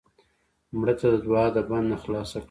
مړه ته د دوعا د بند نه خلاص کړه